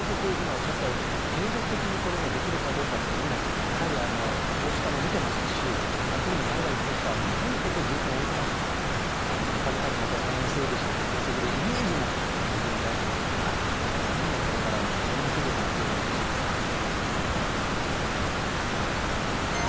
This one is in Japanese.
継続的にこれができるかどうかというのもやはり投資家も見ていますし、特に海外の投資家は非常にここに重点を置いてますので株価にも反映できるでしょうし、業績でイメージも非常に大事ですからどんどんこれからもいろんな企業にやってほしいですよね。